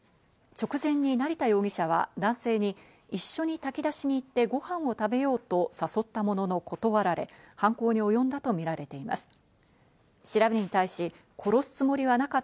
直前に成田容疑者は男性に一緒に炊き出しに行ってご飯を食べようと誘ったものの断られ、犯行に及んだとみられています。